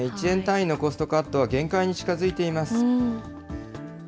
１円単位のコストカットは限界に近づいています。